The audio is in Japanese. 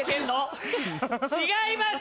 違います！